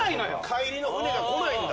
帰りの船が来ないんだ。